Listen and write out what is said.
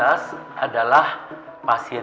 aku akan gunakan waktu ini